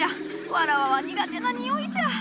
わらわは苦手な臭いじゃ。